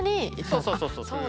そうそうそうそう。